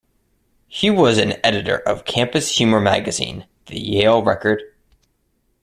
He was an editor of campus humor magazine "The Yale Record".